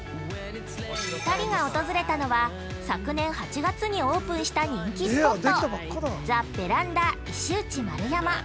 ２人が訪れたのは昨年８月にオープンした人気スポット、ザ・ヴェランダ石内丸山。